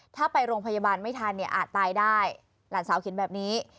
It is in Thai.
ถ้าไปโรงพยาบาลไม่ทันเนี่ยอาจตายได้หลานสาวเขียนแบบนี้